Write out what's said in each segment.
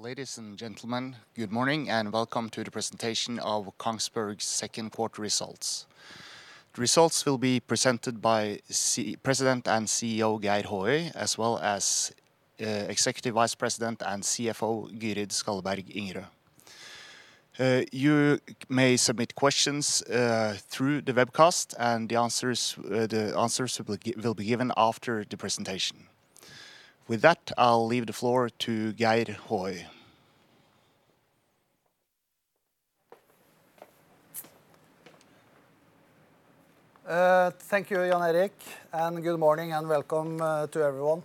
Ladies and gentlemen, good morning and welcome to the presentation of Kongsberg's second quarter results. Results will be presented by President and CEO Geir Håøy, as well as Executive Vice President and CFO, Gyrid Skalleberg Ingerø. You may submit questions through the webcast and the answers will be given after the presentation. With that, I'll leave the floor to Geir Håøy. Thank you, Jan Erik, and good morning and welcome to everyone.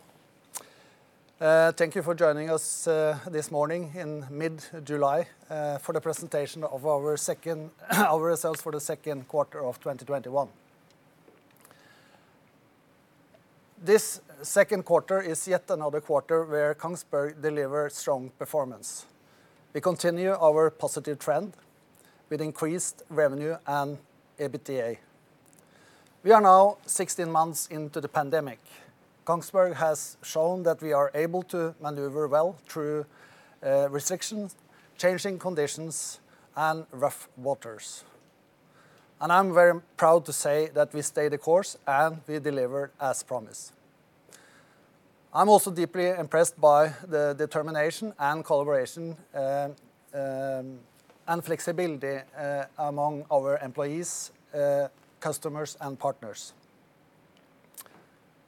Thank you for joining us this morning in mid-July for the presentation of our results for the second quarter of 2021. This second quarter is yet another quarter where Kongsberg delivered strong performance. We continue our positive trend with increased revenue and EBITDA. We are now 16 months into the pandemic. Kongsberg has shown that we are able to maneuver well through restrictions, changing conditions, and rough waters, and I'm very proud to say that we stay the course and we deliver as promised. I'm also deeply impressed by the determination and collaboration and flexibility among our employees, customers, and partners.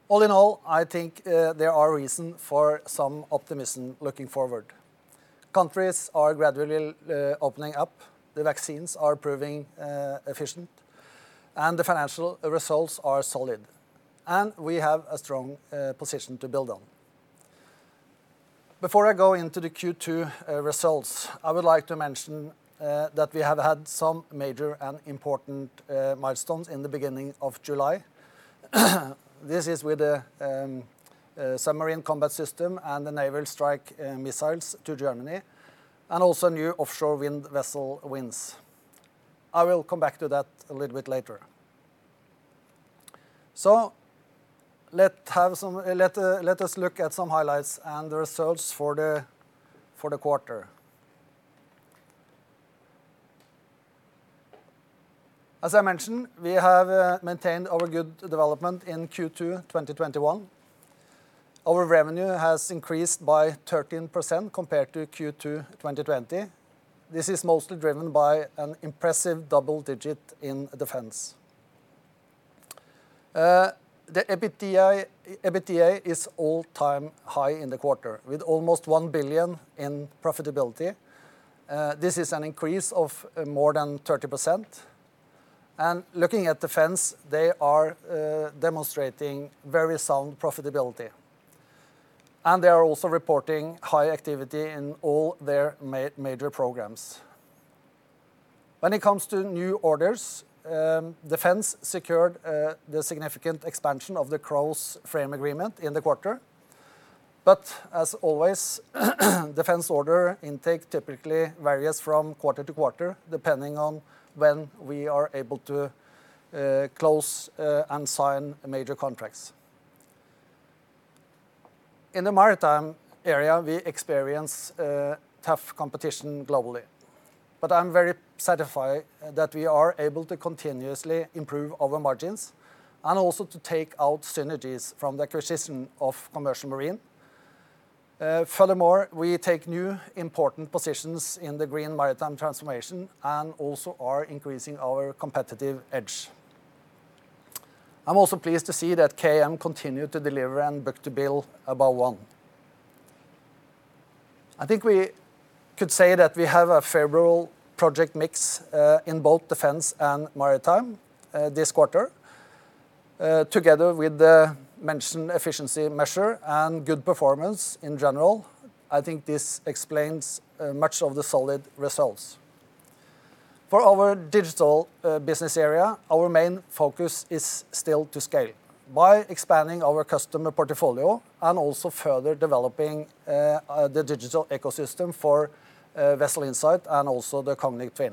All in all, I think there are reason for some optimism looking forward. Countries are gradually opening up, the vaccines are proving efficient, and the financial results are solid, and we have a strong position to build on. Before I go into the Q2 results, I would like to mention that we have had some major and important milestones in the beginning of July. This is with the submarine combat system and the Naval Strike Missile to Germany and also new offshore wind vessel wins. I will come back to that a little bit later. Let us look at some highlights and the results for the quarter. As I mentioned, we have maintained our good development in Q2 2021. Our revenue has increased by 13% compared to Q2 2020. This is mostly driven by an impressive double digit in defense. The EBITDA is all-time high in the quarter with almost 1 billion in profitability. This is an increase of more than 30%. Looking at defense, they are demonstrating very sound profitability. They are also reporting high activity in all their major programs. When it comes to new orders, defense secured the significant expansion of the CROWS frame agreement in the quarter, but as always, defense order intake typically varies from quarter-to-quarter, depending on when we are able to close and sign major contracts. In the maritime area, we experience tough competition globally, but I'm very satisfied that we are able to continuously improve our margins and also to take out synergies from the acquisition of Commercial Marine. We take new important positions in the green maritime transformation and also are increasing our competitive edge. I'm also pleased to see that KM continued to deliver and Book-to-bill above 1. I think we could say that we have a favorable project mix in both defense and maritime this quarter, together with the mentioned efficiency measure and good performance in general. I think this explains much of the solid results. For our digital business area, our main focus is still to scale by expanding our customer portfolio and also further developing the digital ecosystem for Vessel Insight and also the Kognifai.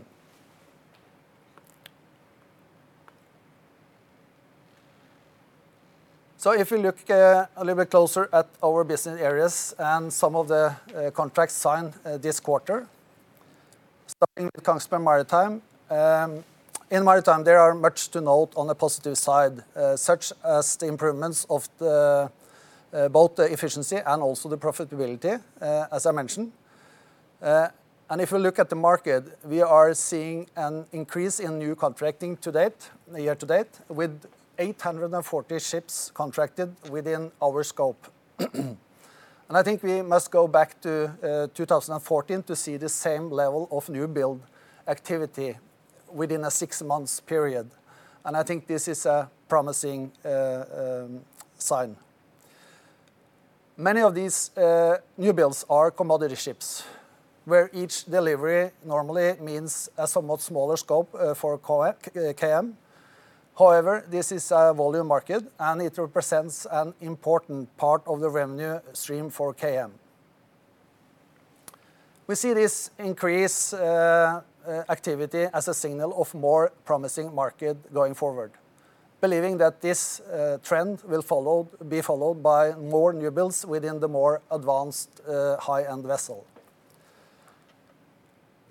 If you look a little bit closer at our business areas and some of the contracts signed this quarter, starting with Kongsberg Maritime. In Maritime, there are much to note on the positive side, such as the improvements of both the efficiency and also the profitability, as I mentioned. If you look at the market, we are seeing an increase in new contracting year-to-date with 840 ships contracted within our scope. I think we must go back to 2014 to see the same level of new build activity within a six-month period, and I think this is a promising sign. Many of these new builds are commodity ships, where each delivery normally means a somewhat smaller scope for KM. However, this is a volume market and it represents an important part of the revenue stream for KM. We see this increased activity as a signal of more promising market going forward, believing that this trend will be followed by more new builds within the more advanced high-end vessel.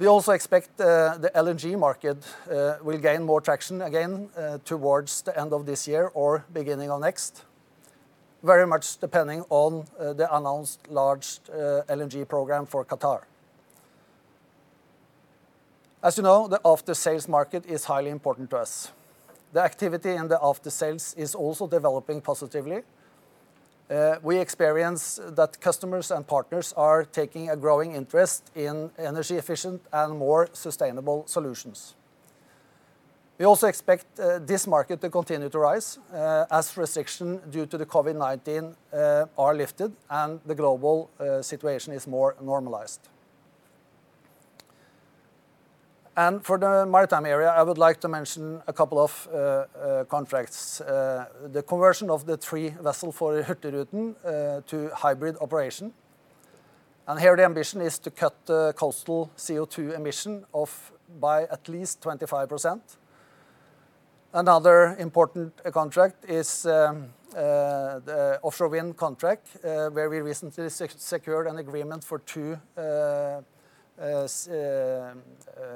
We also expect the LNG market will gain more traction again towards the end of this year or beginning of next, very much depending on the announced large LNG program for Qatar. As you know, the after-sales market is highly important to us. The activity in the after-sales is also developing positively. We experience that customers and partners are taking a growing interest in energy efficient and more sustainable solutions. We also expect this market to continue to rise as restrictions due to the COVID-19 are lifted and the global situation is more normalized. For the maritime area, I would like to mention a couple of contracts. The conversion of the three vessels for the Hurtigruten to hybrid operation. Here the ambition is to cut the coastal CO2 emissions by at least 25%. Another important contract is the offshore wind contract, where we recently secured an agreement for two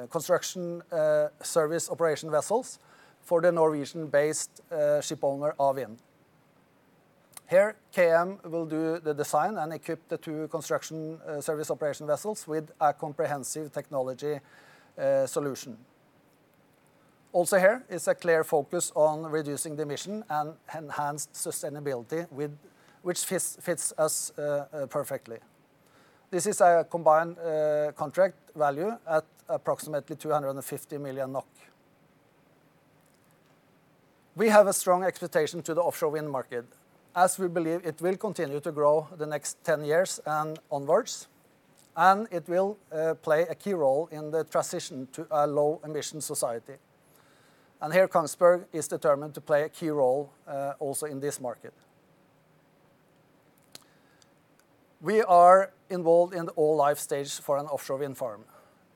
construction service operation vessels for the Norwegian-based ship owner, Awind. Here at KM will do the design and equip the two construction service operation vessels with a comprehensive technology solution. Also here is a clear focus on reducing the emissions and enhanced sustainability which fits us perfectly. This is a combined contract value at approximately NOK 250 million. We have a strong expectation to the offshore wind market, as we believe it will continue to grow the next 10 years and onwards, and it will play a key role in the transition to a low-emission society. Here, Kongsberg is determined to play a key role also in this market. We are involved in all life stages for an offshore wind farm.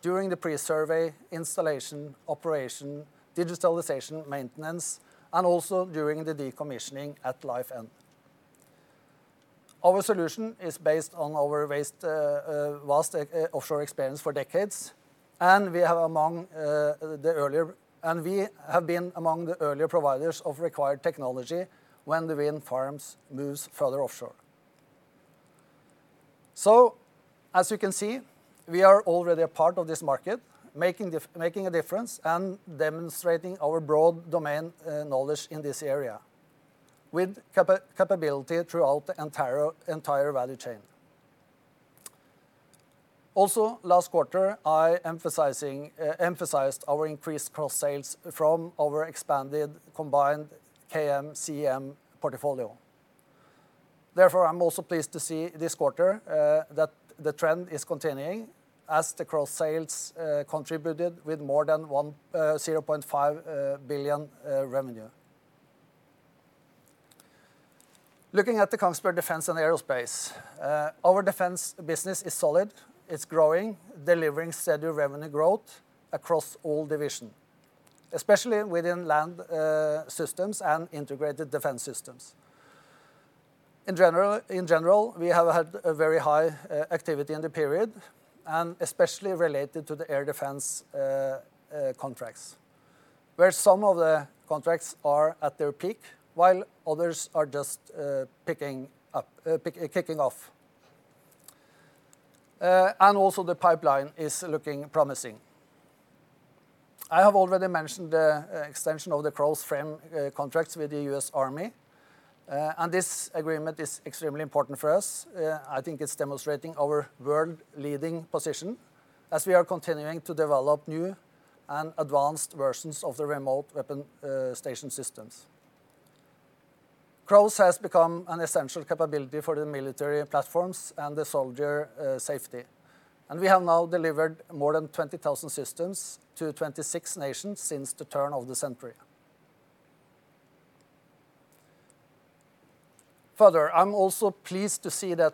During the pre-survey, installation, operation, digitalization, maintenance, and also during the decommissioning at life end. Our solution is based on our vast offshore experience for decades, and we have been among the earlier providers of required technology when the wind farms moves further offshore. As you can see, we are already a part of this market, making a difference and demonstrating our broad domain knowledge in this area with capability throughout the entire value chain. Last quarter, I emphasized our increased cross-sales from our expanded combined KM, CM portfolio. Therefore, I'm also pleased to see this quarter that the trend is continuing as the cross-sales contributed with more than 0.5 billion revenue. Looking at the Kongsberg Defence & Aerospace. Our defense business is solid, it's growing, delivering steady revenue growth across all division, especially within land systems and integrated defense systems. In general, we have had a very high activity in the period, and especially related to the air defense contracts, where some of the contracts are at their peak, while others are just kicking off. The pipeline is looking promising. I have already mentioned the extension of the CROWS frame contracts with the U.S. Army. This agreement is extremely important for us. I think it's demonstrating our world-leading position as we are continuing to develop new and advanced versions of the remote weapon station systems. CROWS has become an essential capability for the military platforms and the soldier safety. We have now delivered more than 20,000 systems to 26 nations since the turn of the century. Further, I am also pleased to see the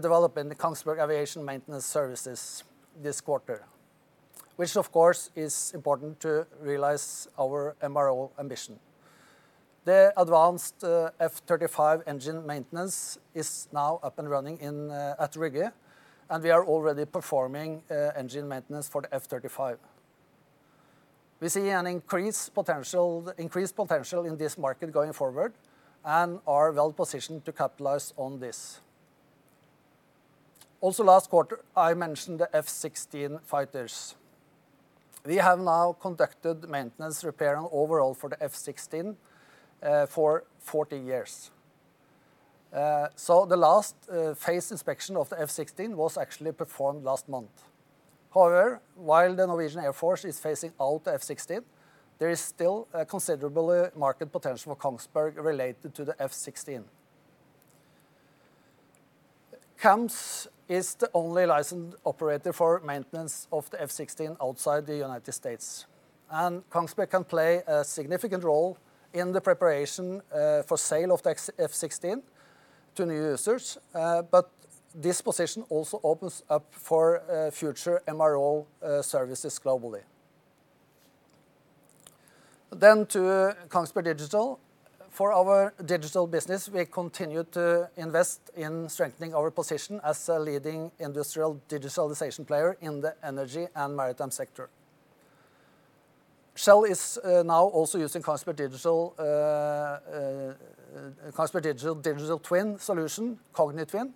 development in the Kongsberg Aviation Maintenance Services this quarter, which of course is important to realize our MRO ambition. The advanced F-35 engine maintenance is now up and running at Rygge, and we are already performing engine maintenance for the F-35. We see an increased potential in this market going forward and are well positioned to capitalize on this. Also last quarter, I mentioned the F-16 fighters. We have now conducted maintenance repair and overhaul for the F-16 for 40 years. The last phase inspection of the F-16 was actually performed last month. While the Norwegian Air Force is phasing out the F-16, there is still a considerable market potential for Kongsberg related to the F-16. KAMS is the only licensed operator for maintenance of the F-16 outside the United States, and Kongsberg can play a significant role in the preparation for sale of the F-16 to new users. This position also opens up for future MRO services globally. To Kongsberg Digital. For our digital business, we continue to invest in strengthening our position as a leading industrial digitalization player in the energy and maritime sector. Shell is now also using Kongsberg Digital digital twin solution, Kognitwin,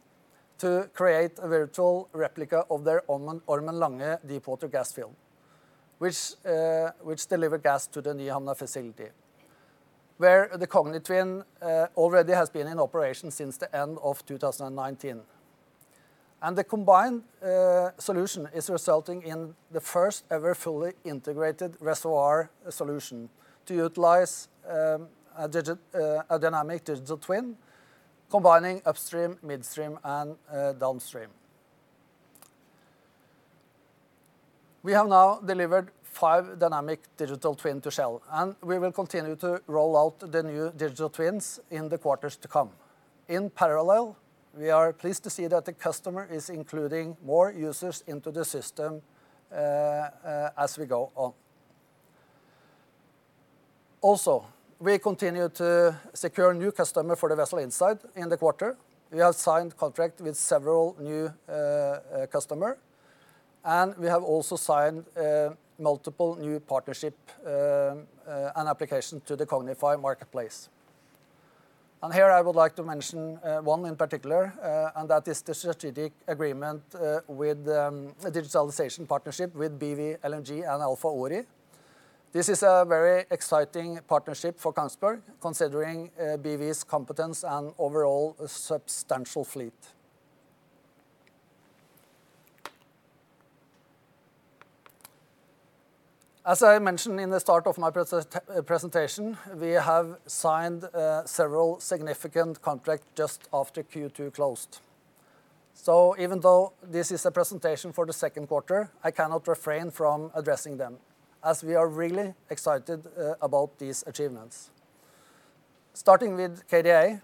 to create a virtual replica of their Ormen Lange deepwater gas field, which deliver gas to the Nyhamna facility, where the Kognitwin already has been in operation since the end of 2019. The combined solution is resulting in the first ever fully integrated reservoir solution to utilize a dynamic digital twin combining upstream, midstream, and downstream. We have now delivered five dynamic digital twin to Shell, and we will continue to roll out the new digital twins in the quarters to come. In parallel, we are pleased to see that the customer is including more users into the system as we go on. Also, we continue to secure new customer for the Vessel Insight in the quarter. We have signed contract with several new customer, we have also signed multiple new partnership and application to the Kognifai marketplace. Here I would like to mention one in particular, and that is the strategic agreement with the digitalization partnership with BW LNG and Alpha Ori. This is a very exciting partnership for Kongsberg, considering BW's competence and overall substantial fleet. As I mentioned in the start of my presentation, we have signed several significant contract just after Q2 closed. Even though this is a presentation for the second quarter, I cannot refrain from addressing them as we are really excited about these achievements. Starting with KDA,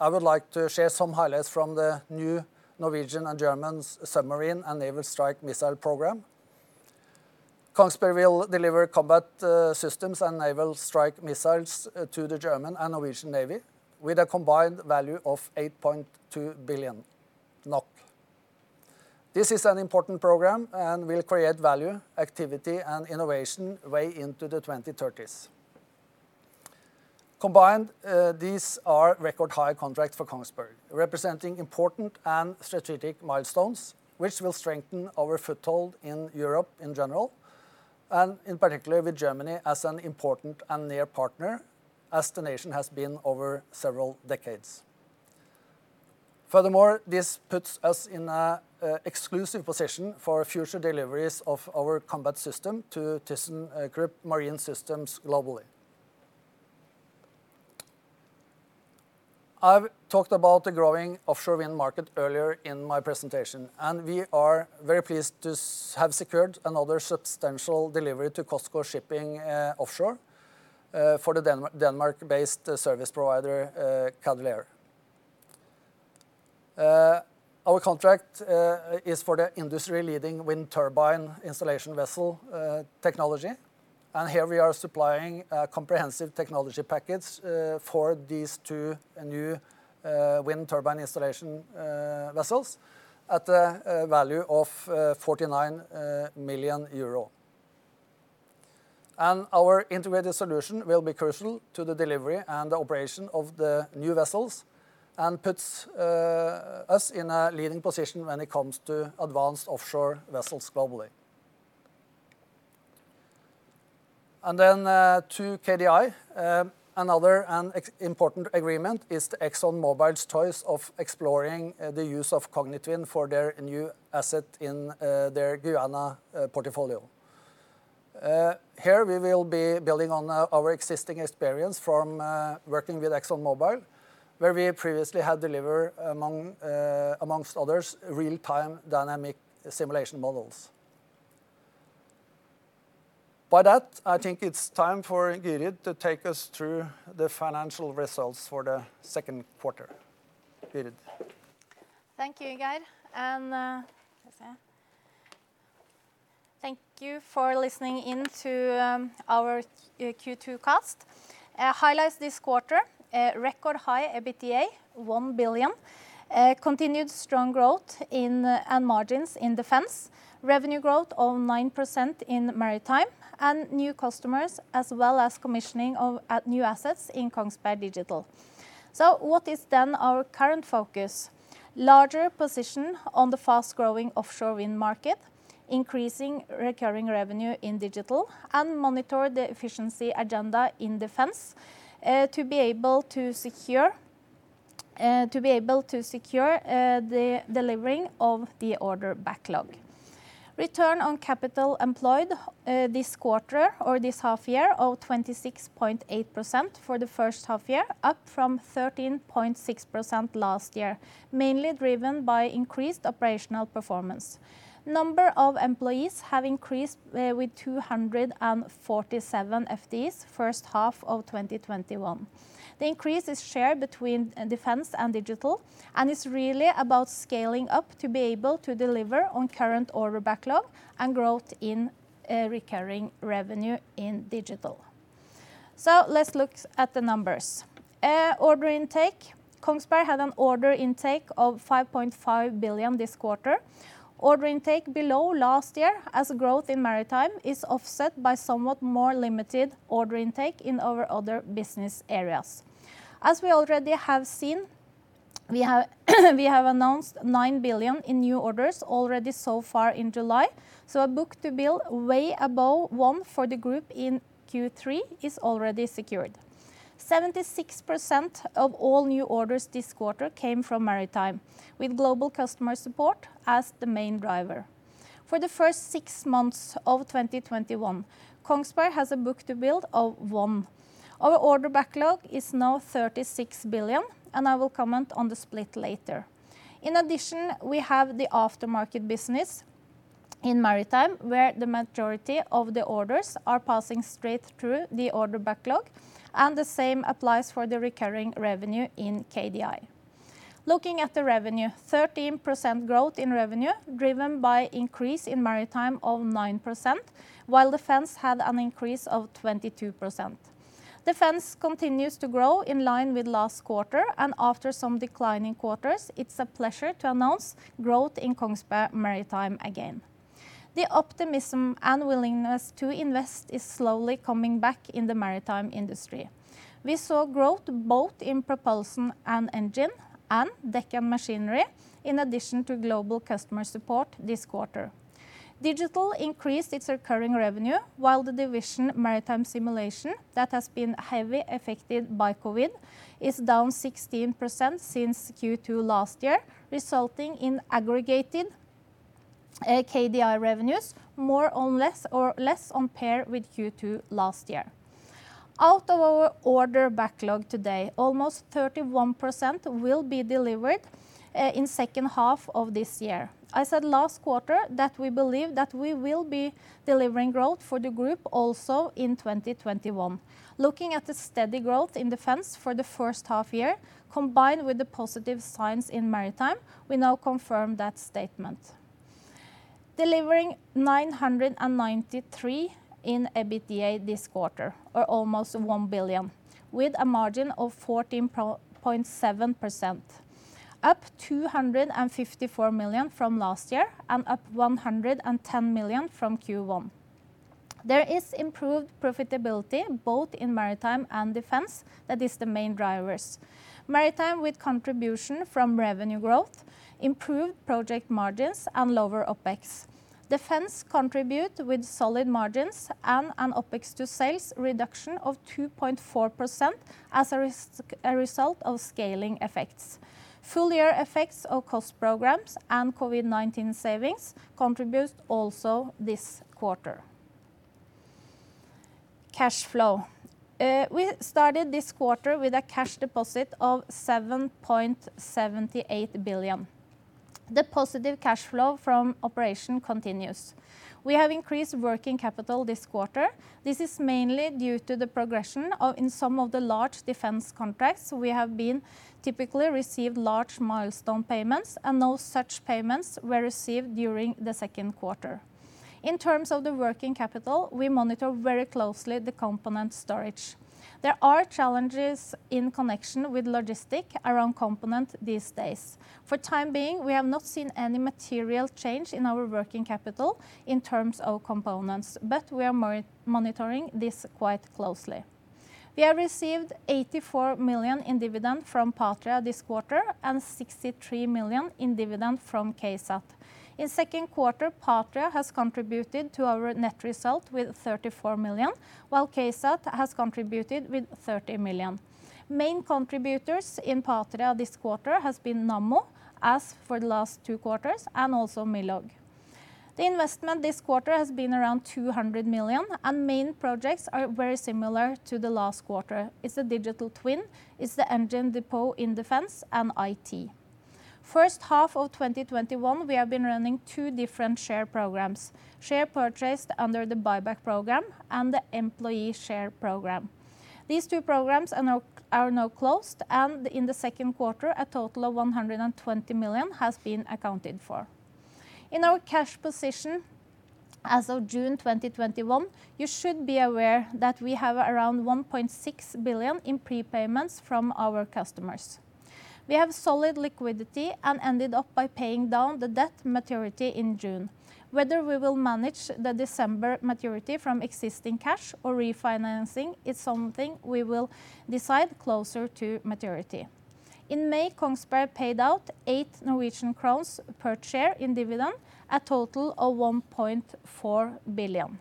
I would like to share some highlights from the new Norwegian and German submarine and Naval Strike Missile program. Kongsberg will deliver combat systems and Naval Strike Missiles to the German and Norwegian Navy with a combined value of 8.2 billion NOK. This is an important program and will create value, activity, and innovation way into the 2030s. Combined, these are record high contract for Kongsberg, representing important and strategic milestones, which will strengthen our foothold in Europe in general, and in particular with Germany as an important and near partner as the nation has been over several decades. This puts us in a exclusive position for future deliveries of our combat system to thyssenkrupp Marine Systems globally. I've talked about the growing offshore wind market earlier in my presentation, and we are very pleased to have secured another substantial delivery to COSCO Shipping (Qidong) Offshore for the Denmark-based service provider Cadeler. Our contract is for the industry-leading wind turbine installation vessel technology, here we are supplying a comprehensive technology package for these two new wind turbine installation vessels at the value of 49 million euro. Our integrated solution will be crucial to the delivery and operation of the new vessels and puts us in a leading position when it comes to advanced offshore vessels globally. To KDI, another and important agreement is ExxonMobil's choice of exploring the use of Kognitwin for their new asset in their Guyana portfolio. Here we will be building on our existing experience from working with ExxonMobil, where we previously had delivered amongst others, real-time dynamic simulation models. By that, I think it's time for Gyrid to take us through the financial results for the second quarter. Gyrid. Thank you, Geir. Thank you for listening in to our Q2 cast. Highlights this quarter, record high EBITDA, 1 billion, continued strong growth in margins in Defence, revenue growth of 9% in Maritime, and new customers as well as commissioning of new assets in Kongsberg Digital. What is then our current focus? Larger position on the fast-growing offshore wind market, increasing recurring revenue in digital, and monitor the efficiency agenda in Defence to be able to secure the delivery of the order backlog. Return on capital employed this quarter or this half year of 26.8% for the first half year, up from 13.6% last year, mainly driven by increased operational performance. Number of employees have increased with 247 FTEs first half of 2021. The increase is shared between Defense and Digital and is really about scaling up to be able to deliver on current order backlog and growth in recurring revenue in digital. Let's look at the numbers. Order intake. Kongsberg had an order intake of 5.5 billion this quarter. Order intake below last year as growth in Maritime is offset by somewhat more limited order intake in our other business areas. As we already have seen, we have announced 9 billion in new orders already so far in July, so our Book-to-bill way above 1 for the group in Q3 is already secured. 76% of all new orders this quarter came from Maritime, with Global Customer Support as the main driver. For the first six months of 2021, Kongsberg has a Book-to-bill of 1. Our order backlog is now 36 billion, and I will comment on the split later. In addition, we have the aftermarket business in Maritime where the majority of the orders are passing straight through the order backlog, and the same applies for the recurring revenue in KDI. Looking at the revenue, 13% growth in revenue driven by increase in Maritime of 9%, while Defense had an increase of 22%. Defense continues to grow in line with last quarter and after some declining quarters, it's a pleasure to announce growth in Kongsberg Maritime again. The optimism and willingness to invest is slowly coming back in the Maritime industry. We saw growth both in propulsion and engine and deck and machinery in addition to Global Customer Support this quarter. Digital increased its recurring revenue while the division Maritime Simulation, that has been heavily affected by COVID-19, is down 16% since Q2 last year, resulting in aggregated KDI revenues more or less compared with Q2 last year. Out of our order backlog today, almost 31% will be delivered in the second half of this year. I said last quarter that we believe that we will be delivering growth for the group also in 2021. Looking at the steady growth in Defense for the first half year, combined with the positive signs in Maritime, we now confirm that statement. Delivering 993 in EBITDA this quarter, or almost 1 billion, with a margin of 14.7%, up 254 million from last year and up 110 million from Q1. There is improved profitability both in Maritime and Defense that is the main drivers. Maritime with contribution from revenue growth, improved project margins, and lower OpEx. Defense contribute with solid margins and an OpEx to sales reduction of 2.4% as a result of scaling effects. Full-year effects of cost programs and COVID-19 savings contribute also this quarter. Cash flow. We started this quarter with a cash deposit of 7.78 billion. The positive cash flow from operation continues. We have increased working capital this quarter. This is mainly due to the progression in some of the large Defence contracts we have been typically received large milestone payments, and those such payments were received during the second quarter. In terms of the working capital, we monitor very closely the component storage. There are challenges in connection with logistic around component these days. For the time being, we have not seen any material change in our working capital in terms of components, but we are monitoring this quite closely. We have received 84 million in dividend from Patria this quarter and 63 million in dividend from KSAT. In the second quarter, Patria has contributed to our net result with 34 million, while KSAT has contributed with 30 million. Main contributors in Patria this quarter has been Nammo as for the last two quarters, and also Millog. The investment this quarter has been around 200 million and main projects are very similar to the last quarter. It's the digital twin, it's the engine depot in Defence and IT. First half of 2021, we have been running two different share programs, share purchase under the buyback program and the employee share program. These two programs are now closed and in the second quarter, a total of 120 million has been accounted for. In our cash position as of June 2021, you should be aware that we have around 1.6 billion in prepayments from our customers. We have solid liquidity and ended up by paying down the debt maturity in June. Whether we will manage the December maturity from existing cash or refinancing is something we will decide closer to maturity. In May, Kongsberg paid out 8 Norwegian crowns per share in dividend, a total of 1.4 billion.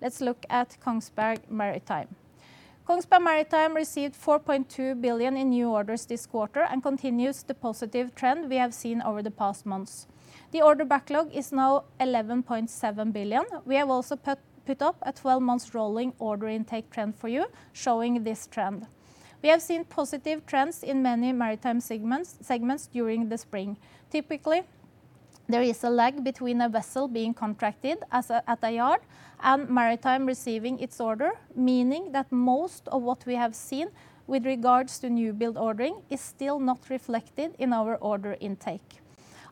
Let's look at Kongsberg Maritime. Kongsberg Maritime received 4.2 billion in new orders this quarter and continues the positive trend we have seen over the past months. The order backlog is now 11.7 billion. We have also put up a 12-month rolling order intake trend for you showing this trend. We have seen positive trends in many Maritime segments during the spring. Typically, there is a lag between a vessel being contracted at a yard and Maritime receiving its order, meaning that most of what we have seen with regards to new build ordering is still not reflected in our order intake.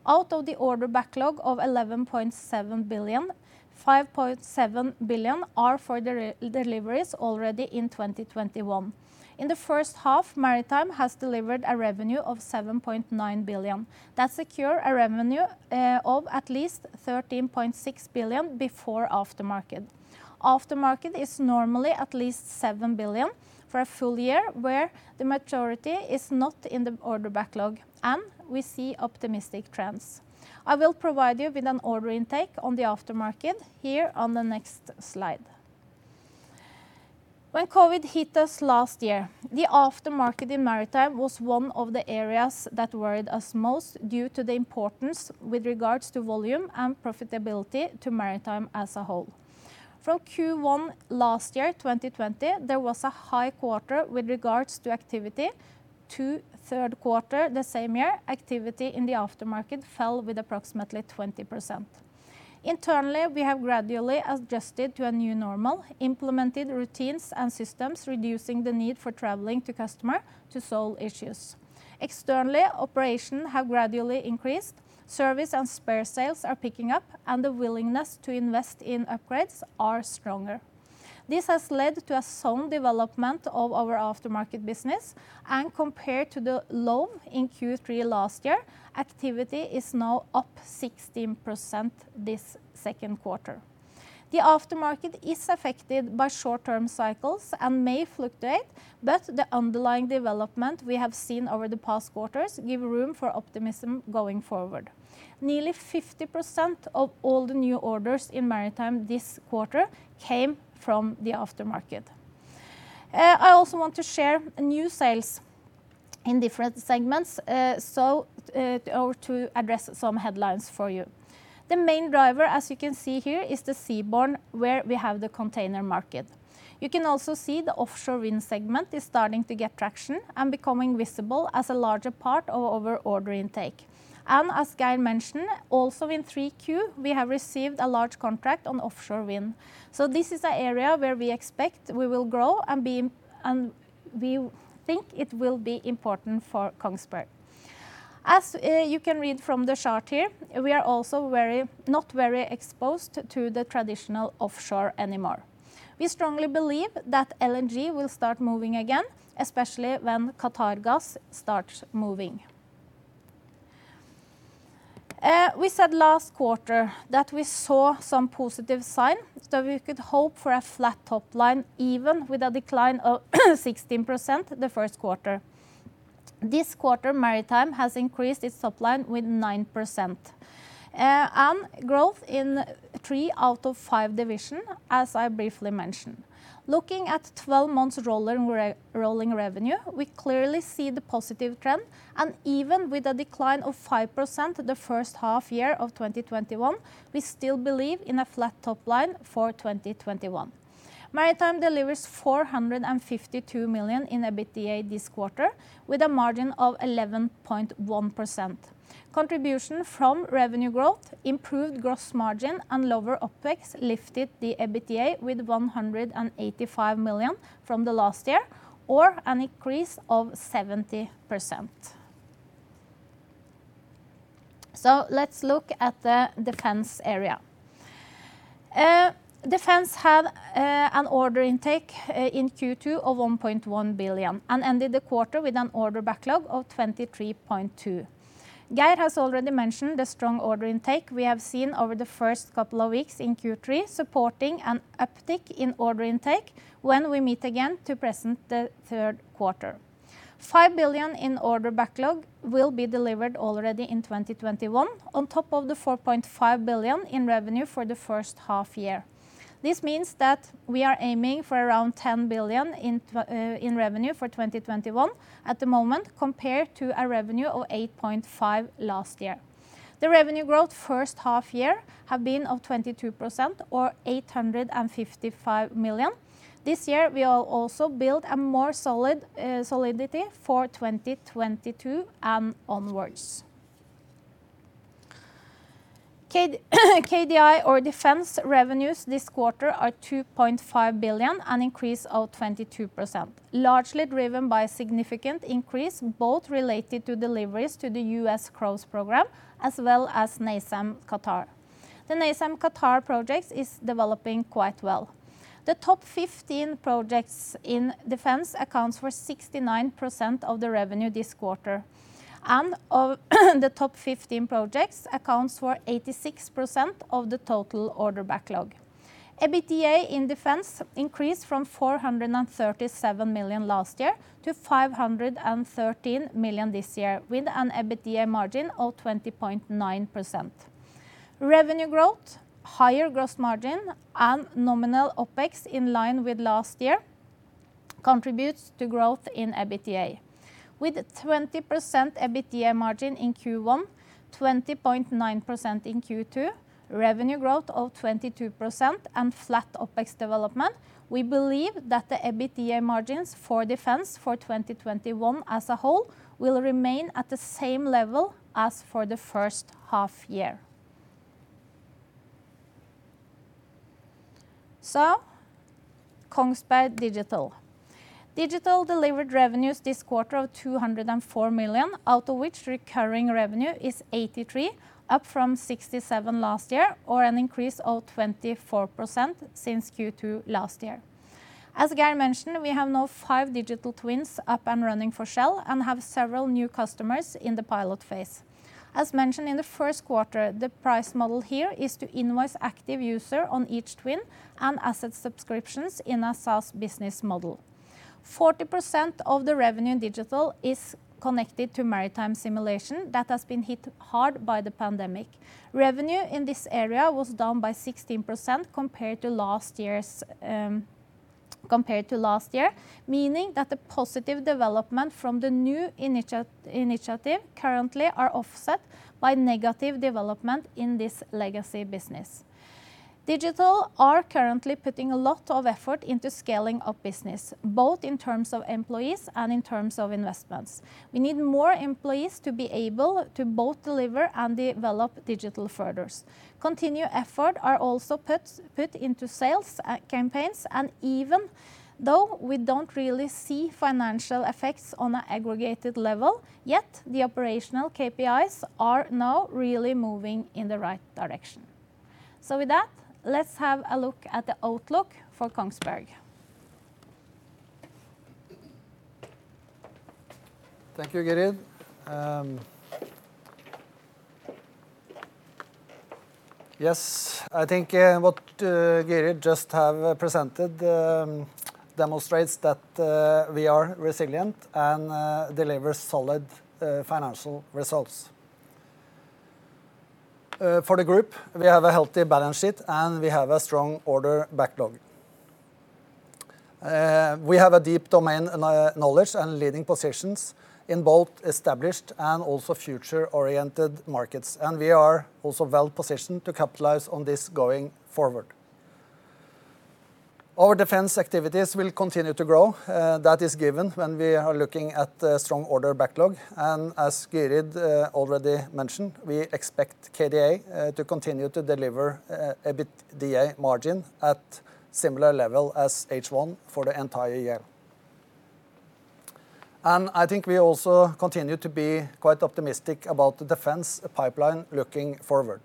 Out of the order backlog of 11.7 billion, 5.7 billion are for the deliveries already in 2021. In the first half, Maritime has delivered a revenue of 7.9 billion. That secure a revenue of at least 13.6 billion before aftermarket. Aftermarket is normally at least 7 billion for a full year, where the majority is not in the order backlog and we see optimistic trends. I will provide you with an order intake on the aftermarket here on the next slide. COVID-19 hit us last year, the aftermarket in Kongsberg Maritime was one of the areas that worried us most due to the importance with regards to volume and profitability to Kongsberg Maritime as a whole. From Q1 last year, 2020, there was a high quarter with regards to activity to third quarter the same year, activity in the aftermarket fell with approximately 20%. Internally, we have gradually adjusted to a new normal, implemented routines and systems, reducing the need for traveling to customer to solve issues. Externally, operation have gradually increased, service and spare sales are picking up, and the willingness to invest in upgrades are stronger. This has led to a sound development of our aftermarket business. Compared to the low in Q3 last year, activity is now up 16% this second quarter. The aftermarket is affected by short-term cycles and may fluctuate. The underlying development we have seen over the past quarters give room for optimism going forward. Nearly 50% of all the new orders in Maritime this quarter came from the aftermarket. I also want to share new sales in different segments. To address some headlines for you. The main driver, as you can see here, is the seaborne, where we have the container market. You can also see the offshore wind segment is starting to get traction and becoming visible as a larger part of our order intake. As Geir mentioned, also in 3Q, we have received a large contract on offshore wind. This is the area where we expect we will grow, and we think it will be important for Kongsberg. As you can read from the chart here, we are also not very exposed to the traditional offshore anymore. We strongly believe that LNG will start moving again, especially when Qatargas starts moving. We said last quarter that we saw some positive signs that we could hope for a flat top line even with a decline of 16% in the first quarter. This quarter, Maritime has increased its top line with 9% and growth in three out of five division, as I briefly mentioned. Looking at 12 months rolling revenue, we clearly see the positive trend. Even with a decline of 5% for the first half year of 2021, we still believe in a flat top line for 2021. Maritime delivers 452 million in EBITDA this quarter with a margin of 11.1%. Contribution from revenue growth improved gross margin and lower OpEx lifted the EBITDA with 185 million from the last year or an increase of 70%. Let's look at the Defense area. Defense had an order intake in Q2 of 1.1 billion and ended the quarter with an order backlog of 23.2 billion. Geir has already mentioned the strong order intake we have seen over the first couple of weeks in Q3, supporting an uptick in order intake when we meet again to present the third quarter. 5 billion in order backlog will be delivered already in 2021 on top of the 4.5 billion in revenue for the first half-year. This means that we are aiming for around 10 billion in revenue for 2021 at the moment, compared to a revenue of 8.5 billion last year. The revenue growth first half-year have been on 22% or 855 million. This year we are also build a more solidity for 2022 onwards. KDI or Defence revenues this quarter are 2.5 billion, an increase of 22%, largely driven by significant increase both related to deliveries to the U.S. CROWS program as well as NASAMS Qatar. The NASAMS Qatar project is developing quite well. The top 15 projects in Defence accounts for 69% of the revenue this quarter. The top 15 projects accounts for 86% of the total order backlog. EBITDA in Defense increased from 437 million last year to 513 million this year with an EBITDA margin of 20.9%. Revenue growth, higher gross margin, and nominal OpEx in line with last year contributes to growth in EBITDA. With 20% EBITDA margin in Q1, 20.9% in Q2, revenue growth of 22% and flat OpEx development, we believe that the EBITDA margins for Defense for 2021 as a whole will remain at the same level as for the first half-year. Kongsberg Digital delivered revenues this quarter of 204 million, out of which recurring revenue is 83, up from 67 last year, or an increase of 24% since Q2 last year. As Geir mentioned, we have now five digital twins up and running for Shell and have several new customers in the pilot phase. As mentioned in the first quarter, the price model here is to invoice active user on each twin and asset subscriptions in a SaaS business model. 40% of the revenue in Digital is connected to Maritime Simulation that has been hit hard by the pandemic. Revenue in this area was down by 16% compared to last year, meaning that the positive development from the new initiative currently are offset by negative development in this legacy business. Digital are currently putting a lot of effort into scaling up business, both in terms of employees and in terms of investments. We need more employees to be able to both deliver and develop Digital further. Continued effort are also put into sales campaigns, and even though we don't really see financial effects on an aggregated level, yet the operational KPIs are now really moving in the right direction. With that, let's have a look at the outlook for Kongsberg. Thank you, Gyrid. Yes. I think what Gyrid just have presented demonstrates that we are resilient and deliver solid financial results. For the group, we have a healthy balance sheet, and we have a strong order backlog. We have a deep domain knowledge and leading positions in both established and also future-oriented markets, and we are also well positioned to capitalize on this going forward. Our Defense activities will continue to grow. That is given when we are looking at the strong order backlog. As Gyrid already mentioned, we expect KDI to continue to deliver EBITDA margin at similar level as H1 for the entire year. I think we also continue to be quite optimistic about the defense pipeline looking forward.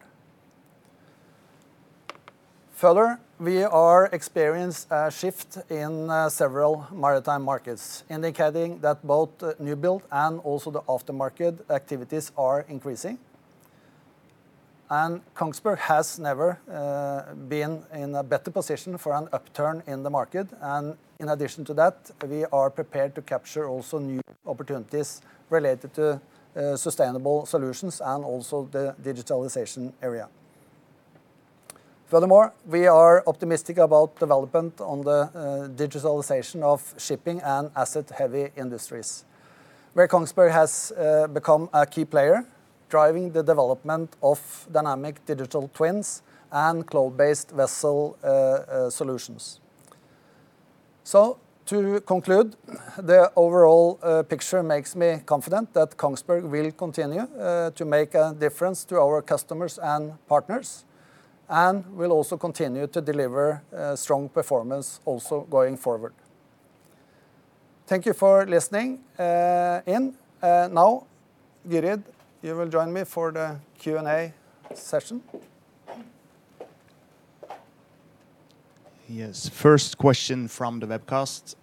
Further, we are experience a shift in several maritime markets, indicating that both new build and also the aftermarket activities are increasing. Kongsberg has never been in a better position for an upturn in the market. In addition to that, we are prepared to capture also new opportunities related to sustainable solutions and also the digitalization area. Furthermore, we are optimistic about development on the digitalization of shipping and asset-heavy industries, where Kongsberg has become a key player, driving the development of dynamic digital twins and cloud-based vessel solutions. To conclude, the overall picture makes me confident that Kongsberg will continue to make a difference to our customers and partners and will also continue to deliver strong performance also going forward. Thank you for listening in. Now, Gyrid, you will join me for the Q&A session. Yes. First question from the webcast.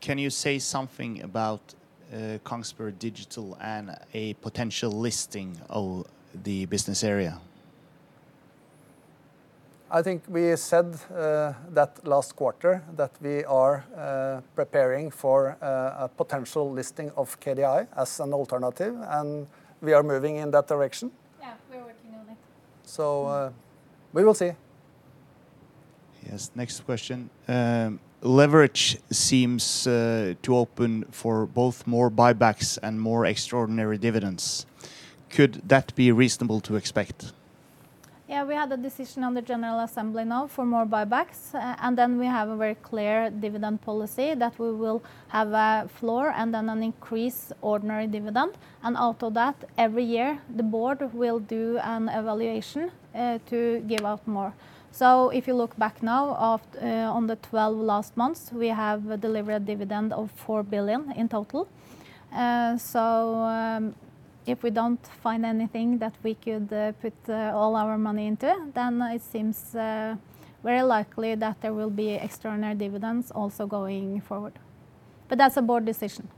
Can you say something about Kongsberg Digital and a potential listing of the business area? I think we said that last quarter that we are preparing for a potential listing of KDI as an alternative, and we are moving in that direction. Yeah, we are working on it. We will see. Yes. Next question. Leverage seems to open for both more buybacks and more extraordinary dividends. Could that be reasonable to expect? We had a decision on the general assembly now for more buybacks. We have a very clear dividend policy that we will have a floor and then an increased ordinary dividend. Out of that, every year, the board will do an evaluation to give out more. If you look back now on the 12 last months, we have delivered dividend of 4 billion in total. If we don't find anything that we could put all our money into, then it seems very likely that there will be extraordinary dividends also going forward. That's a board decision.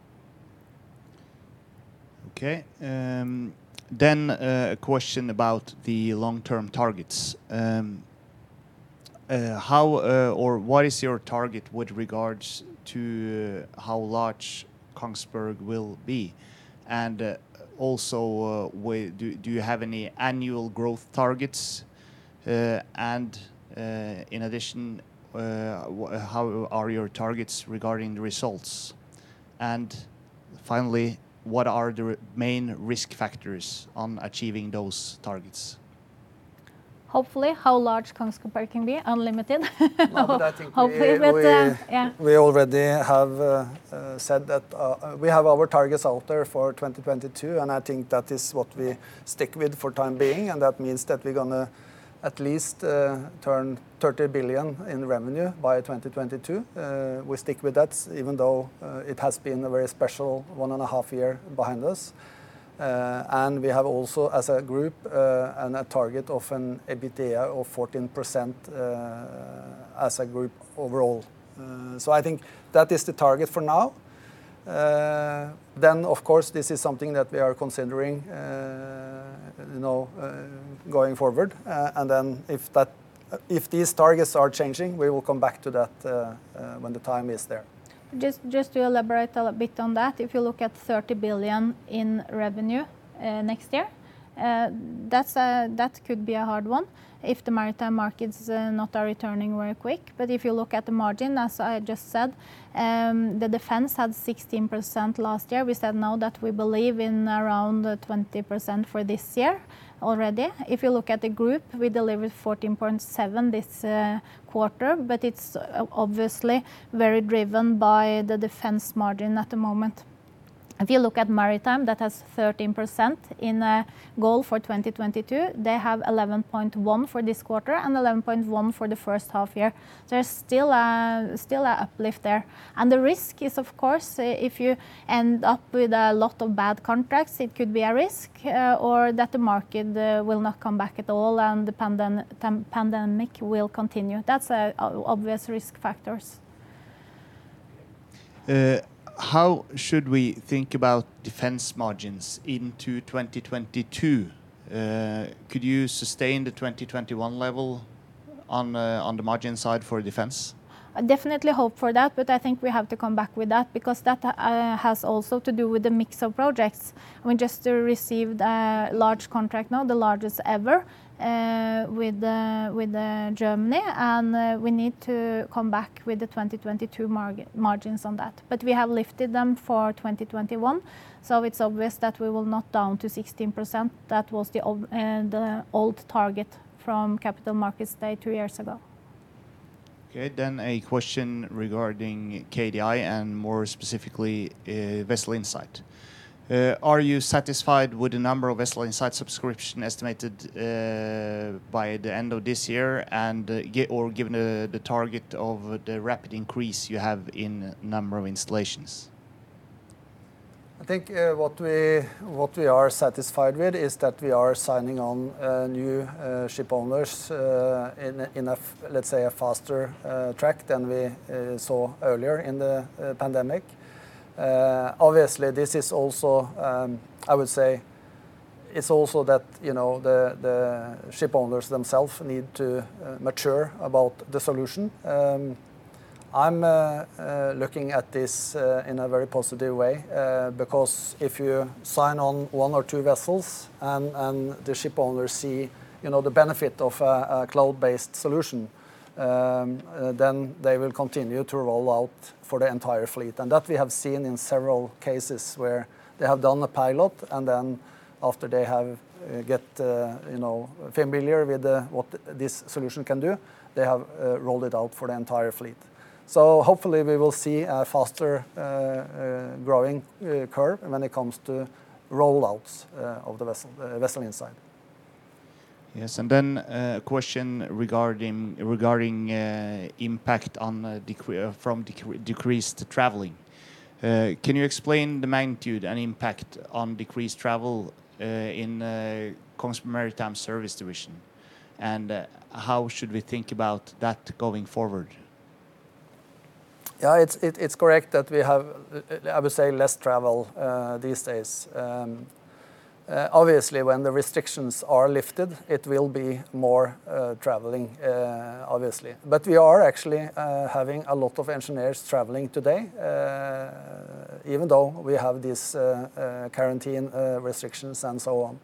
Okay. A question about the long-term targets. What is your target with regards to how large Kongsberg will be? Do you have any annual growth targets? How are your targets regarding the results? Finally, what are the main risk factors on achieving those targets? Hopefully, how large Kongsberg can be, unlimited. I think. Hopefully with, yeah. We already have said that we have our targets out there for 2022. I think that is what we stick with for the time being. That means that we're going to at least turn 30 billion in revenue by 2022. We stick with that even though it has been a very special one and a half year behind us. We have also, as a group, a target of an EBITDA of 14% as a group overall. I think that is the target for now. Of course, this is something that we are considering going forward. If these targets are changing, we will come back to that when the time is there. Just to elaborate a bit on that, if you look at 30 billion in revenue next year, that could be a hard one if the maritime markets are not returning very quick. If you look at the margin, as I just said, the defense had 16% last year. We said now that we believe in around 20% for this year already. If you look at the group, we delivered 14.7% this quarter, but it's obviously very driven by the Defense margin at the moment. If you look at Maritime, that has 13% in goal for 2022. They have 11.1% for this quarter and 11.1% for the first half-year. There's still an uplift there. The risk is, of course, if you end up with a lot of bad contracts, it could be a risk, or that the market will not come back at all and the pandemic will continue. That's obvious risk factors. How should we think about defense margins into 2022? Could you sustain the 2021 level on the margin side for defense? I definitely hope for that, but I think we have to come back with that because that has also to do with the mix of projects. We just received a large contract now, the largest ever, with Germany, and we need to come back with the 2022 margins on that. We have lifted them for 2021, so it's obvious that we will not go down to 16%. That was the old target from Capital Markets Day two years ago. Okay, then a question regarding KDI and more specifically, Vessel Insight, are you satisfied with the number of Vessel Insight subscriptions estimated by the end of this year, or given the target of the rapid increase you have in the number of installations? I think what we are satisfied with is that we are signing on new ship owners in, let's say, a faster track than we saw earlier in the pandemic. Obviously, this is also, I would say, it's also that the ship owners themselves need to mature about the solution. I'm looking at this in a very positive way, because if you sign on one or two vessels and the ship owners see the benefit of a cloud-based solution, they will continue to roll out for the entire fleet. That we have seen in several cases where they have done a pilot and after they have got familiar with what this solution can do, they have rolled it out for the entire fleet. Hopefully we will see a faster-growing curve when it comes to roll-outs of the Vessel Insight. A question regarding impact from decreased traveling. Can you explain the magnitude and impact on decreased travel in Kongsberg Maritime's service division, and how should we think about that going forward? It's correct that we have, I would say, less travel these days. When the restrictions are lifted, it will be more traveling, obviously. We are actually having a lot of engineers traveling today, even though we have these quarantine restrictions and so on.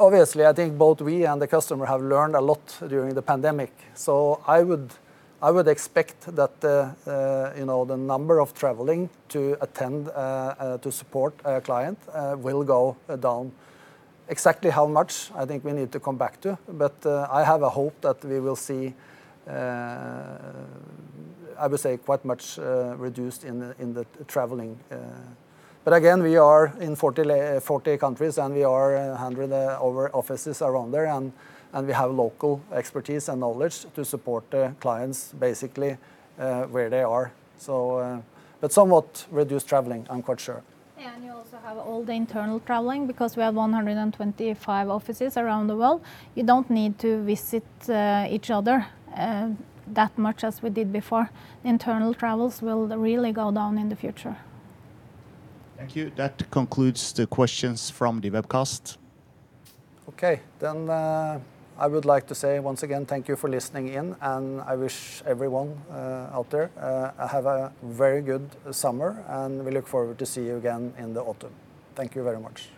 Obviously, I think both we and the customer have learned a lot during the pandemic. I would expect that the number of traveling to attend to support a client will go down. Exactly how much, I think we need to come back to, but I have a hope that we will see, I would say, quite much reduced in the traveling. Again, we are in 40 countries, and we are 100 of our offices around there, and we have local expertise and knowledge to support the clients basically where they are. Somewhat reduced traveling, I'm quite sure. You also have all the internal traveling because we have 125 offices around the world. You don't need to visit each other that much as we did before. Internal travels will really go down in the future. Thank you. That concludes the questions from the webcast. I would like to say, once again, thank you for listening in, and I wish everyone out there have a very good summer, and we look forward to seeing you again in the autumn. Thank you very much.